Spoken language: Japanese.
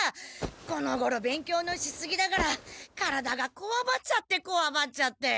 このごろ勉強のしすぎだから体がこわばっちゃってこわばっちゃって。